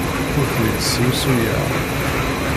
Ur ten-id-srusuyeɣ.